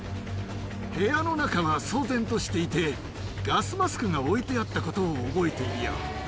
部屋の中は騒然としていて、ガスマスクが置いてあったことを覚えているよ。